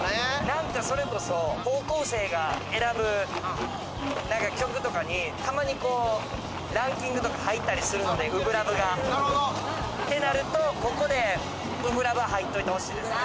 なんかそれこそ、高校生が選ぶ曲とかに、たまにこう、ランキングとか入ったりするので『初心ＬＯＶＥ』が。ってなると、ここで『初心ＬＯＶＥ』、入っておいてほしいですね。